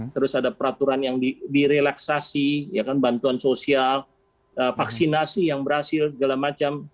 terus ada peraturan yang direlaksasi bantuan sosial vaksinasi yang berhasil segala macam